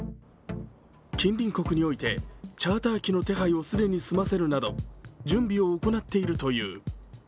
近隣国においてチャーター機の手配を既に済ませるなど準備を行っているという。